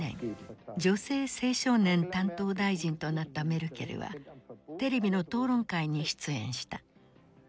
女性・青少年担当大臣となったメルケルはテレビの討論会に出演した。